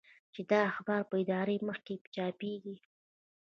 چې د اخبار په اداري مخ کې چاپېږي.